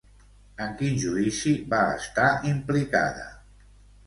En quin judici va estar implicada?